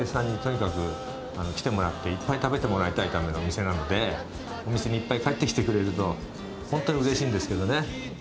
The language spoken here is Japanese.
って、いっぱい食べてもらいたい店なので、お店にいっぱい帰ってきてくれると、本当にうれしいんですけどね。